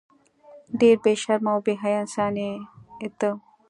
ډیر بی شرمه او بی حیا انسان یی ته